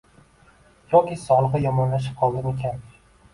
Yoki sog`lig`i yomonlashib qoldimikan